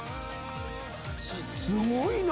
すごいな！